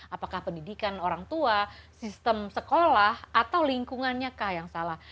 apakah pendidikan orang tua sistem sekolah atau lingkungannya kah yang salah